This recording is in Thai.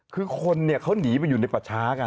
คือคนเนี่ยเขาหนีไปอยู่ในป่าช้ากัน